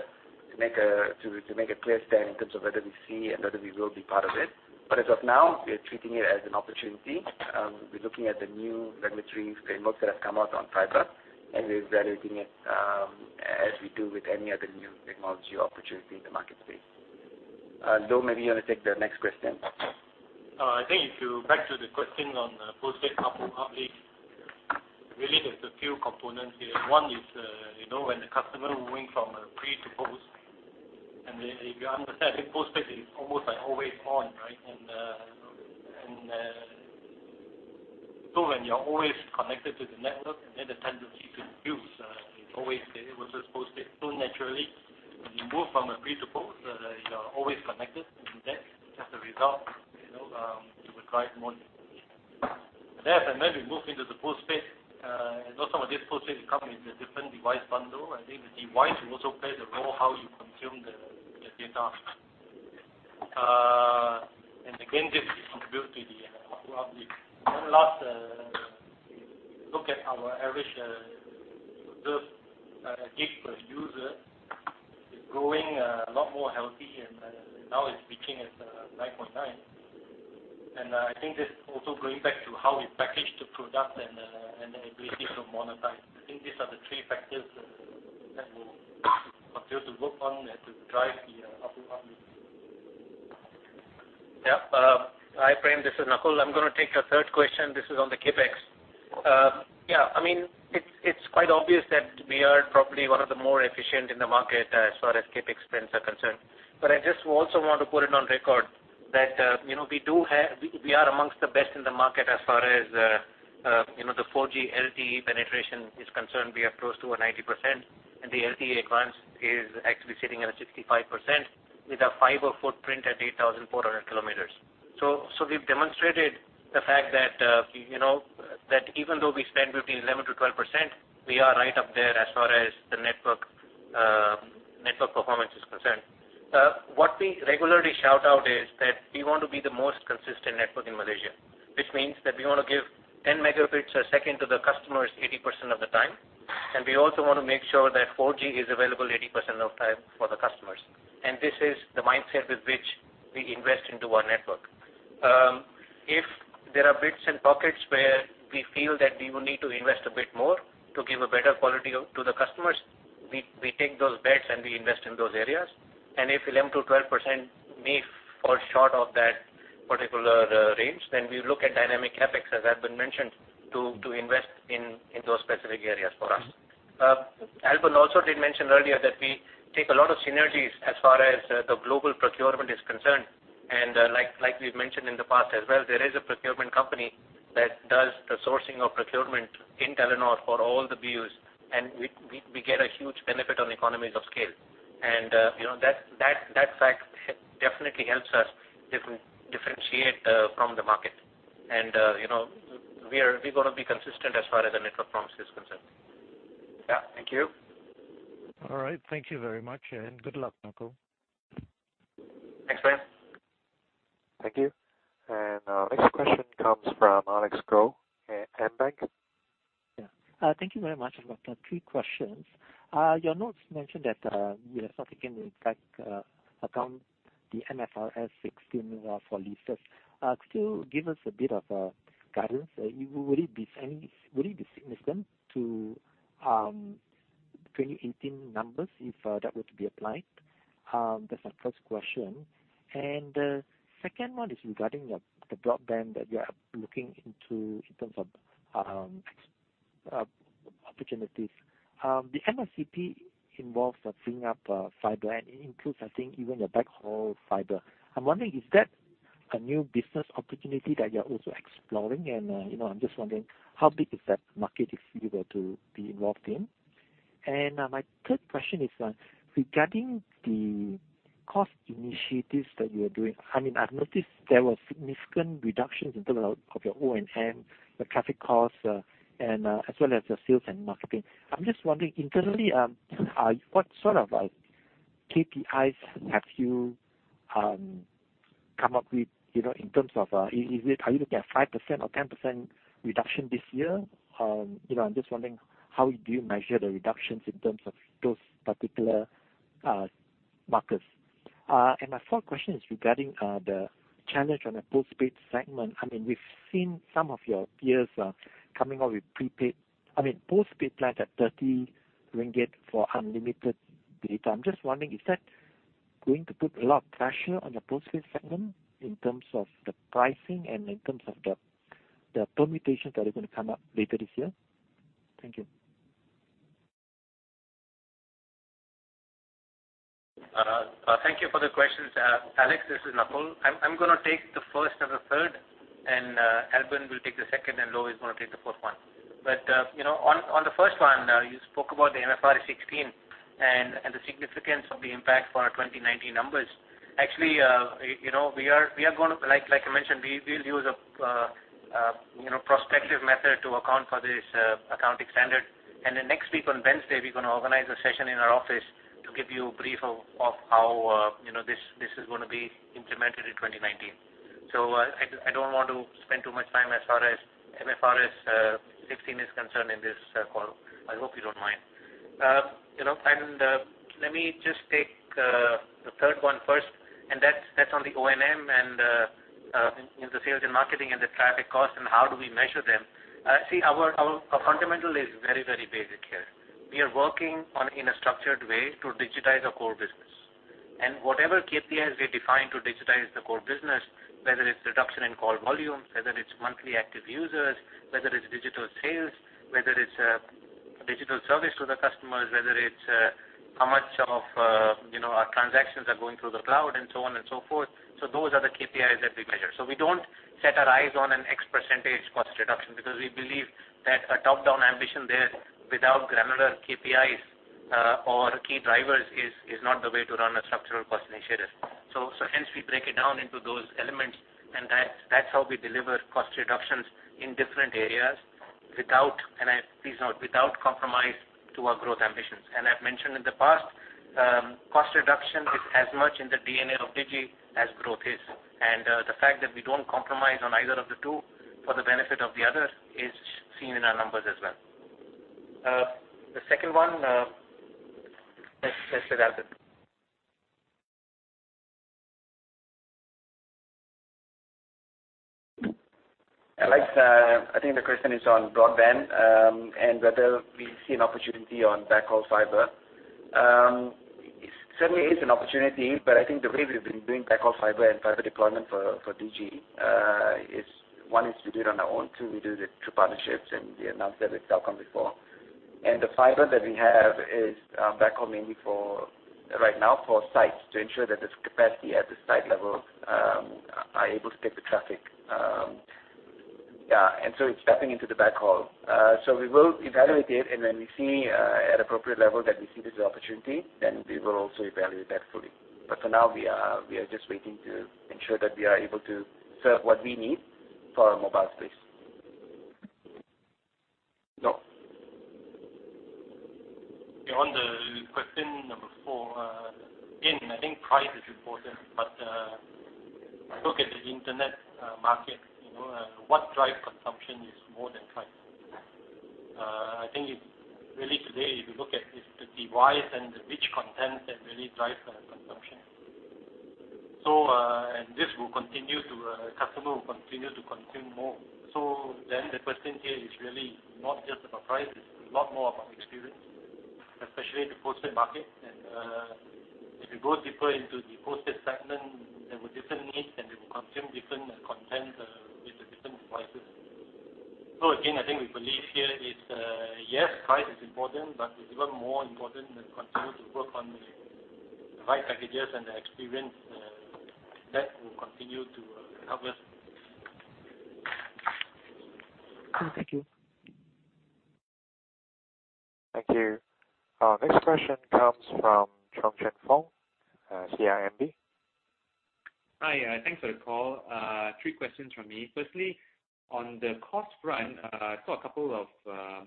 to make a clear stand in terms of whether we see and whether we will be part of it. As of now, we are treating it as an opportunity. We're looking at the new regulatory frameworks that have come out on fiber, and we're evaluating it as we do with any other new technology opportunity in the market space. Loh, maybe you want to take the next question. I think if you back to the question on postpaid ARPU, really, there's a few components here. One is when the customer moving from a pre to post, and if you understand, I think postpaid is almost like always on, right? When you're always connected to the network, and then the tendency to use is always there versus postpaid. Naturally, when you move from a pre to post, you are always connected, and that as a result you would drive more. We move into the postpaid. Also with this postpaid, it come with a different device bundle. I think the device will also play the role how you consume the data. This will contribute to the ARPU. One last look at our average reserve gig per user is growing a lot more healthy, and now it's peaking at 9.9. I think this also going back to how we package the product and the ability to monetize. I think these are the three factors that will continue to work on and to drive the ARPU. Yep. Hi, Prem. This is Nakul. I'm going to take your third question. This is on the CapEx. It's quite obvious that we are probably one of the more efficient in the market as far as CapEx spends are concerned. I just also want to put it on record that we are amongst the best in the market as far as the 4G LTE penetration is concerned. We are close to a 90%, and the LTE-Advanced is actually sitting at a 65% with a fiber footprint at 8,400 kilometers. We've demonstrated the fact that even though we spend between 11%-12%, we are right up there as far as the network performance is concerned. What we regularly shout out is that we want to be the most consistent network in Malaysia, which means that we want to give 10 megabits a second to the customers 80% of the time, and we also want to make sure that 4G is available 80% of the time for the customers. This is the mindset with which we invest into our network. If there are bits and pockets where we feel that we will need to invest a bit more to give a better quality to the customers, we take those bets and we invest in those areas. If 11%-12% may fall short of that particular range, then we look at dynamic CapEx, as have been mentioned, to invest in those specific areas for us. Albern also did mention earlier that we take a lot of synergies as far as the global procurement is concerned. Like we've mentioned in the past as well, there is a procurement company that does the sourcing of procurement in Telenor for all the views, and we get a huge benefit on economies of scale. That fact definitely helps us differentiate from the market. We're going to be consistent as far as the network promise is concerned. Yeah. Thank you. All right. Thank you very much. Good luck, Nakul. Thanks, man. Thank you. Our next question comes from Alex Goh, AmBank. Yeah. Thank you very much. I've got three questions. Your notes mentioned that you are not going to, in fact, account the MFRS 16 for leases. Could you give us a bit of a guidance? Would it be significant to 2018 numbers if that were to be applied? That's my first question. The second one is regarding the broadband that you are looking into in terms of opportunities. The MSAP involves freeing up fiber, and it includes, I think, even the backhaul fiber. I'm wondering, is that a new business opportunity that you're also exploring? I'm just wondering, how big is that market if you were to be involved in? My third question is regarding the cost initiatives that you are doing. I've noticed there were significant reductions in terms of your O&M, the traffic costs, and as well as the sales and marketing. I'm just wondering, internally, what sort of KPIs have you come up with in terms of Are you looking at 5% or 10% reduction this year? I'm just wondering how do you measure the reductions in terms of those particular markers. My fourth question is regarding the challenge on the postpaid segment. We've seen some of your peers coming out with prepaid Postpaid plans at 30 ringgit for unlimited data. I'm just wondering, is that going to put a lot of pressure on your postpaid segment in terms of the pricing and in terms of the permutations that are going to come up later this year? Thank you. Thank you for the questions. Alex, this is Nakul. I'm going to take the first and the third. Albern will take the second, and Loh is going to take the fourth one. On the first one, you spoke about the MFRS 16 and the significance of the impact for our 2019 numbers. Actually, like I mentioned, we'll use a prospective method to account for this accounting standard. Then next week on Wednesday, we're going to organize a session in our office to give you a brief of how this is going to be implemented in 2019. I don't want to spend too much time as far as MFRS 16 is concerned in this call. I hope you don't mind. Let me just take the third one first, and that's on the O&M and the sales and marketing and the traffic costs and how do we measure them. Our fundamental is very, very basic here. We are working in a structured way to digitize our core business. Whatever KPIs we define to digitize the core business, whether it's reduction in call volumes, whether it's monthly active users, whether it's digital sales, whether it's a digital service to the customers, whether it's how much of our transactions are going through the cloud, and so on and so forth. Those are the KPIs that we measure. We don't set our eyes on an X% cost reduction because we believe that a top-down ambition there without granular KPIs or key drivers is not the way to run a structural cost initiative. Hence, we break it down into those elements, that's how we deliver cost reductions in different areas, please note, without compromise to our growth ambitions. I've mentioned in the past, cost reduction is as much in the DNA of Digi as growth is. The fact that we don't compromise on either of the two for the benefit of the other is seen in our numbers as well. The second one, let's let Albern. Alex, I think the question is on broadband, whether we see an opportunity on backhaul fiber. Certainly is an opportunity, I think the way we've been doing backhaul fiber and fiber deployment for Digi is, one, is to do it on our own. Two, we do it through partnerships, we announced that with Telekom before. The fiber that we have is backhaul mainly for, right now, for sites to ensure that there's capacity at the site level are able to take the traffic. It's tapping into the backhaul. We will evaluate it, when we see at appropriate level that we see there's the opportunity, we will also evaluate that fully. For now, we are just waiting to ensure that we are able to serve what we need for our mobile space. Loh? On question number four, again, I think price is important, I look at the internet market, what drives consumption is more than price. I think really today, if you look at the device and the rich content, that really drives the consumption. Customer will continue to consume more. The question here is really not just about price, it's a lot more about experience, especially in the postpaid market. If you go deeper into the postpaid segment, there were different needs, they will consume different content with the different devices. Again, I think we believe here is, yes, price is important, it's even more important that we continue to work on the right packages and the experience that will continue to help us. Okay, thank you. Thank you. Our next question comes from Foong Choong Chen, CIMB. Hi. Thanks for the call. Three questions from me. Firstly, on the cost front, I saw a couple of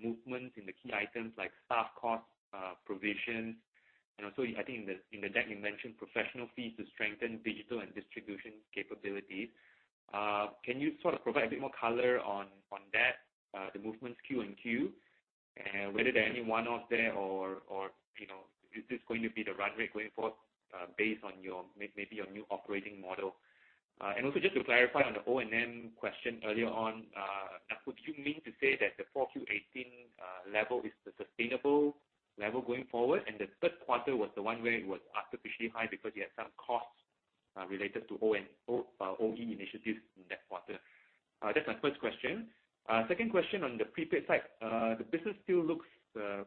movements in the key items like staff cost, provisions, and also, I think in the deck, you mentioned professional fees to strengthen digital and distribution capabilities. Can you sort of provide a bit more color on that, the movements QoQ, and whether there are any one-offs there or is this going to be the run rate going forward based on maybe your new operating model? Also just to clarify on the O&M question earlier on, would you mean to say that the 4Q 2018 level is the sustainable level going forward and the third quarter was the one where it was artificially high because you had some costs related to OE initiatives in that quarter? That's my first question. Second question on the prepaid side. The business still looks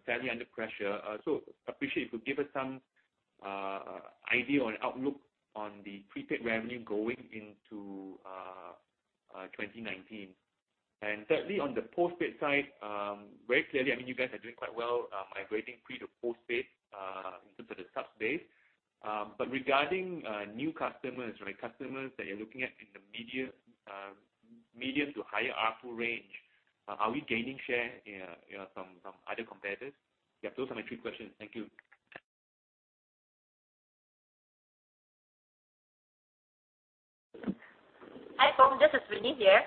fairly under pressure. Appreciate if you could give us some idea on outlook on the prepaid revenue going into 2019. Thirdly, on the postpaid side, very clearly, you guys are doing quite well migrating pre to postpaid in terms of the subs base. But regarding new customers that you're looking at in the medium to higher ARPU range, are we gaining share from other competitors? Yeah, those are my three questions. Thank you. Hi, Foong Choong Chen. This is Winnie here.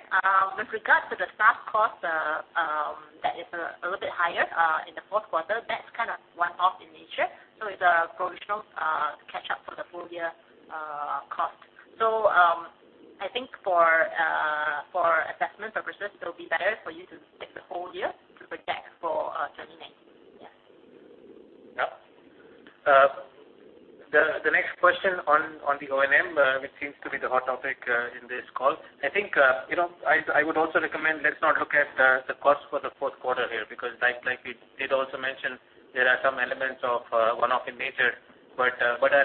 With regard to the staff cost that is a little bit higher in the fourth quarter, that's kind of one-off in nature. It's a provisional catch-up for the full-year cost. I think for assessment purposes, it'll be better for you to take the whole year to project for 2019. Yeah. Yep. The next question on the O&M, which seems to be the hot topic in this call. I think I would also recommend let's not look at the cost for the fourth quarter here, because like we did also mention, there are some elements of one-off in nature. Our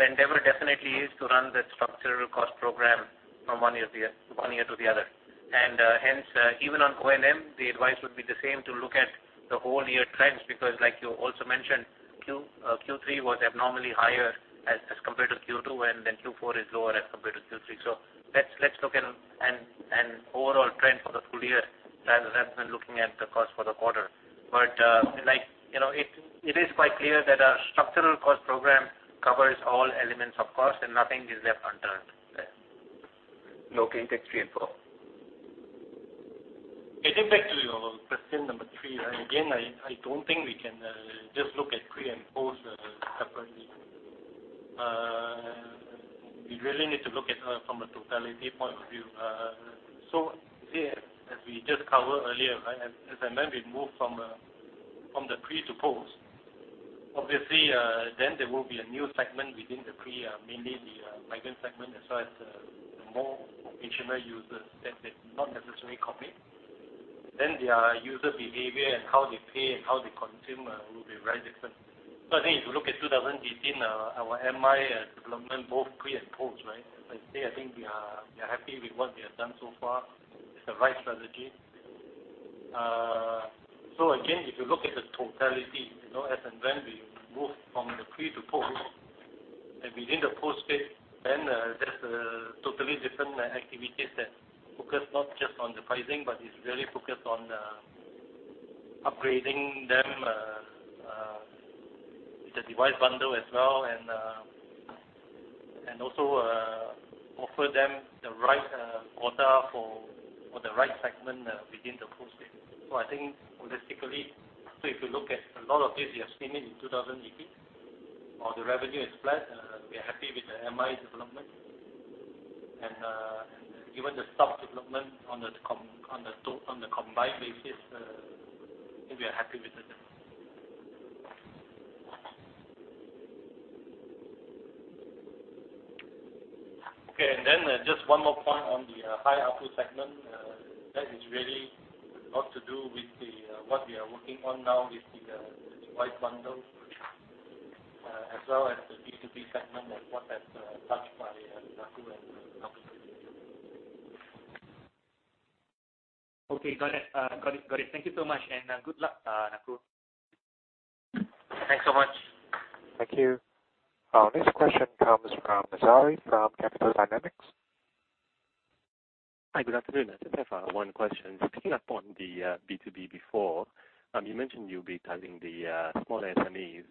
endeavor definitely is to run the structural cost program from one year to the other. Hence, even on O&M, the advice would be the same to look at the whole year trends because like you also mentioned, Q3 was abnormally higher as compared to Q2, Q4 is lower as compared to Q3. Let's look at an overall trend for the full year rather than looking at the cost for the quarter. It is quite clear that our structural cost program covers all elements of cost and nothing is left unturned there. Okay, thanks, three and four. Getting back to your question number three, again, I don't think we can just look at pre and post separately. We really need to look at from a totality point of view. As we just covered earlier, as and when we move from the pre to post, obviously, then there will be a new segment within the pre, mainly the migrant segment, as well as the more occasional users that did not necessarily commit. Their user behavior and how they pay and how they consume will be very different. I think if you look at 2018, our MI development, both pre and post, I'd say, I think we are happy with what we have done so far. It's the right strategy. Again, if you look at the totality, as and when we move from the pre to post and within the postpaid, that is a totally different activities that focus not just on the pricing, but is really focused on upgrading them with the device bundle as well and also offer them the right quota for the right segment within the postpaid. I think holistically, if you look at a lot of this, we have seen it in 2018. All the revenue is flat. We are happy with the MI development. Even the stock development on the combined basis, I think we are happy with the development. Okay, just one more point on the high ARPU segment. That is really a lot to do with what we are working on now with the device bundle as well as the B2B segment and what has. Okay, got it. Thank you so much, and good luck, Nakul. Thanks so much. Thank you. Our next question comes from Nazari from Capital Dynamics. Hi, good afternoon. Just have one question. Speaking upon the B2B before, you mentioned you'll be targeting the small SMEs.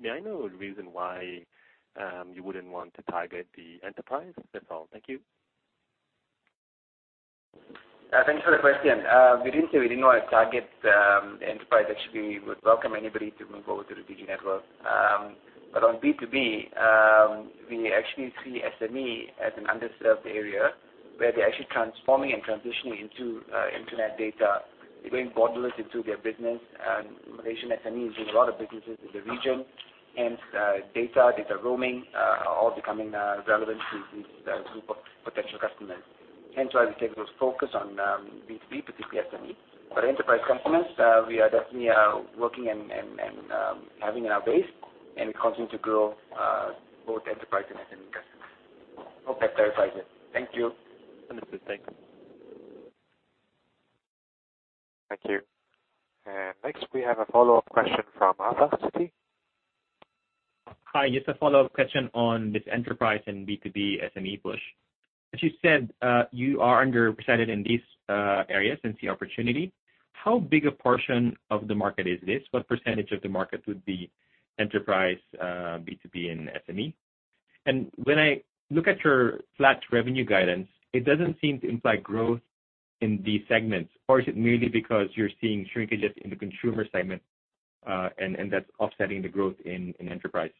May I know the reason why you wouldn't want to target the enterprise? That's all. Thank you. Thank you for the question. We didn't say we didn't want to target the enterprise. Actually, we would welcome anybody to move over to the Digi network. On B2B, we actually see SME as an underserved area, where they're actually transforming and transitioning into internet data, bringing borderless into their business. Malaysian SMEs doing a lot of businesses in the region, and data roaming are all becoming relevant to this group of potential customers. Hence why we take those focus on B2B, particularly SME. For enterprise customers, we are definitely working and having our base, and we continue to grow both enterprise and SME customers. Hope that clarifies it. Thank you. Understood. Thanks. Thank you. Next, we have a follow-up question from Arthur Pineda. Hi, just a follow-up question on this enterprise and B2B SME push. As you said, you are underrepresented in these areas and see opportunity. How big a portion of the market is this? What % of the market would be enterprise, B2B, and SME? When I look at your flat revenue guidance, it doesn't seem to imply growth in these segments. Is it merely because you're seeing shrinkages in the consumer segment, and that's offsetting the growth in enterprise?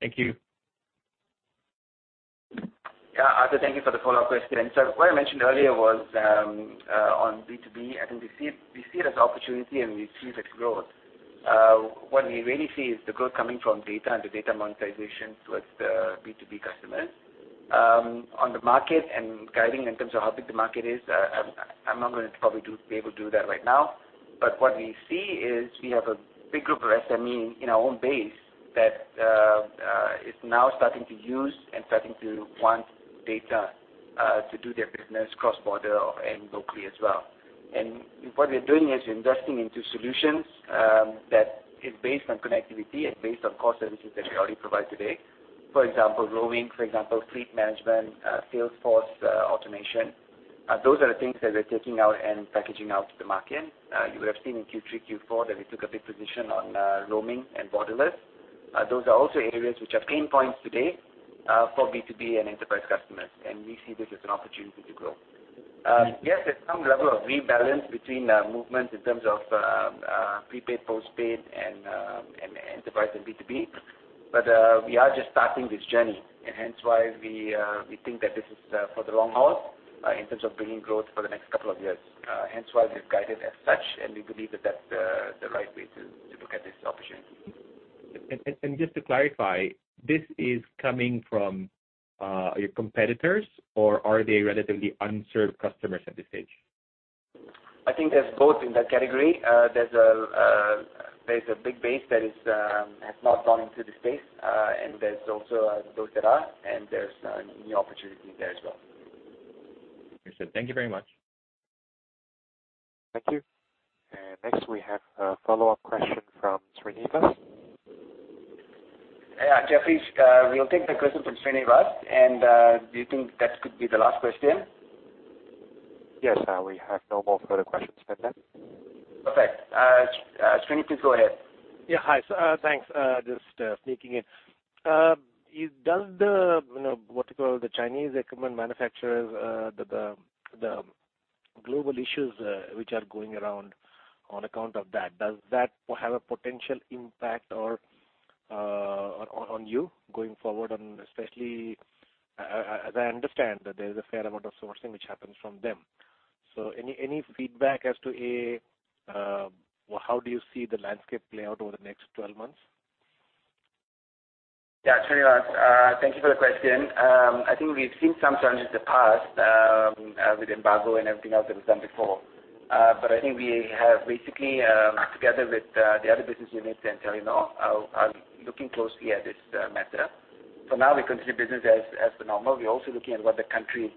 Thank you. Arthur, thank you for the follow-up question. What I mentioned earlier was on B2B, I think we see it as an opportunity and we see that growth. What we really see is the growth coming from data and the data monetization towards the B2B customers. On the market and guiding in terms of how big the market is, I'm not going to probably be able to do that right now. What we see is we have a big group of SME in our own base that is now starting to use and starting to want data to do their business cross-border and locally as well. What we're doing is investing into solutions that is based on connectivity and based on core services that we already provide today. For example, roaming, for example, fleet management, sales force automation. Those are the things that we're taking out and packaging out to the market. You would have seen in Q3, Q4 that we took a big position on roaming and borderless. Those are also areas which are pain points today for B2B and enterprise customers, and we see this as an opportunity to grow. Yes, there's some level of rebalance between movements in terms of prepaid, postpaid and enterprise and B2B, but we are just starting this journey. Hence why we think that this is for the long haul in terms of bringing growth for the next couple of years. Hence why we've guided as such, and we believe that that's the right way to look at this opportunity. Just to clarify, this is coming from your competitors or are they relatively unserved customers at this stage? I think there's both in that category. There's a big base that has not gone into the space, and there's also those that are, and there's new opportunity there as well. Understood. Thank you very much. Thank you. Next, we have a follow-up question from Srinivas. Yeah, Jeffrey, we'll take the question from Srinivas. Do you think that could be the last question? Yes. We have no more further questions for now. Perfect. Srinivas, please go ahead. Hi. Thanks. Just sneaking in. Does the, what you call, the Chinese equipment manufacturers, the global issues which are going around on account of that, does that have a potential impact on you going forward? Especially, as I understand that there is a fair amount of sourcing which happens from them. Any feedback as to how do you see the landscape play out over the next 12 months? Srinivas, thank you for the question. I think we've seen some challenges in the past, with embargo and everything else that was done before. I think we have basically worked together with the other business units and Telenor are looking closely at this matter. For now, we continue business as the normal. We're also looking at what the country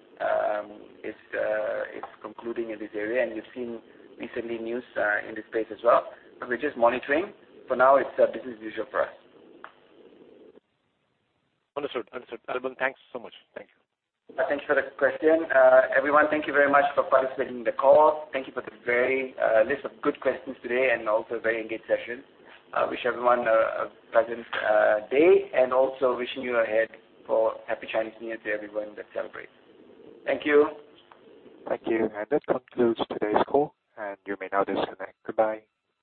is concluding in this area. We've seen recently news in this space as well. We're just monitoring. For now, it's business as usual for us. Understood. Thanks so much. Thank you. Thank you for the question. Everyone, thank you very much for participating in the call. Thank you for the very list of good questions today and also a very engaged session. I wish everyone a pleasant day and also wishing you ahead for Happy Chinese New Year to everyone that celebrates. Thank you. Thank you. That concludes today's call, and you may now disconnect. Goodbye.